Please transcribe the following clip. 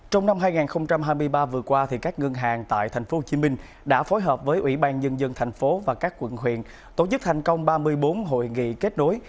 trong năm hai nghìn hai mươi ba vừa qua các ngân hàng tại tp hcm đã phối hợp với ủy ban nhân dân thành phố và các quận huyện tổ chức thành công ba mươi bốn hội nghị kết nối